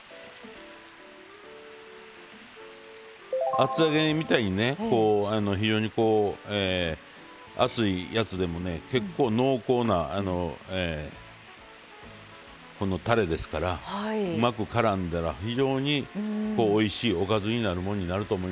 厚揚げみたいにね非常に厚いやつでもね結構濃厚なたれですからうまくからんだら非常においしいおかずになるもんになると思います。